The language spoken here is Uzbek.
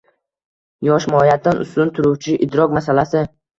Yosh – mohiyatdan ustun turuvchi idrok masalasi.